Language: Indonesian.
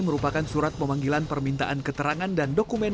merupakan surat pemanggilan permintaan keterangan dan dokumen